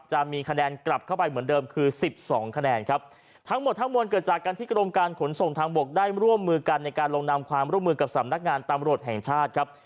จะมีคะแนนกลับเข้าไปเหมือนเดิมคือสิบสองคะแนนครับทั้งหมดทั้งมวลเกิดจากการที่กรมการขนส่งทางบกได้ร่วมมือกันในการลงนำความร่วมมือกับสำนักงานตำรวจแห่งชาติครับ